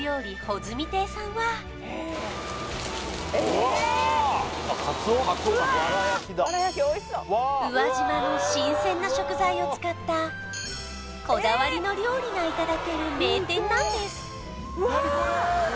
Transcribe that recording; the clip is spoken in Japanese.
ほづみ亭さんは宇和島の新鮮な食材を使ったこだわりの料理がいただける名店なんです